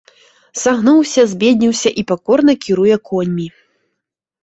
Сагнуўся, збедніўся і пакорна кіруе коньмі.